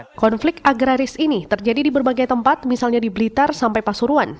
ya konflik agraris ini terjadi di berbagai tempat misalnya di blitar sampai pasuruan